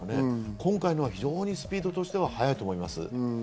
今回の非常にスピードとしては早いと思います。